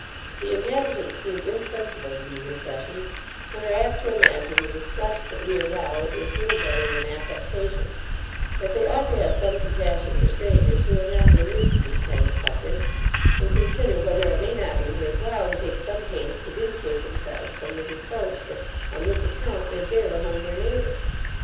The inhabitants seem insensible to these impressions, and are apt to imagine the disgust that we avow is little better than affectation; but they ought to have some compassion for strangers, who have not been used to this kind of sufferance; and consider, whether it may not be worth while to take some pains to vindicate themselves from the reproach that, on this account, they bear among their neighbours.